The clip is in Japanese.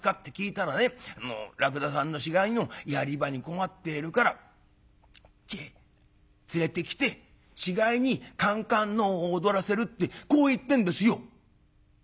あの『らくださんの死骸のやり場に困っているからこっちへ連れてきて死骸にかんかんのうを踊らせる』ってこう言ってんですよ」。